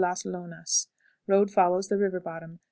Las Lonas. Road follows the river bottom.